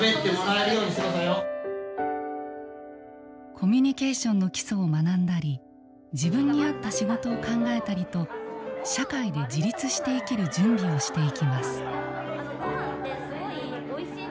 コミュニケーションの基礎を学んだり自分に合った仕事を考えたりと社会で自立して生きる準備をしていきます。